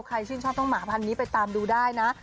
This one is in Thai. ใครชื่นชอบต้องหมาพันนี้ไปตามดูได้นะ